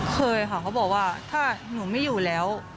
เคยค่ะเขาบอกว่าถ้าหนูไม่อยู่แล้ว